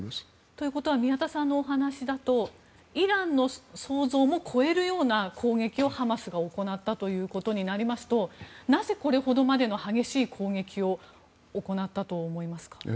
ということは宮田さんのお話だとイランの想像も超えるような攻撃をハマスが行ったということになりますとなぜこれほどまでの激しい攻撃を行ったと思いますか？